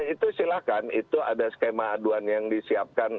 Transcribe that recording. itu silahkan itu ada skema aduan yang disiapkan